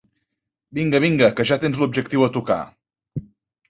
Vinga, vinga, que ja tens l'objectiu a tocar.